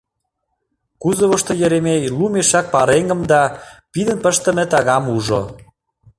Кузовышто Еремей лу мешак пареҥгым да пидын пыштыме тагам ужо.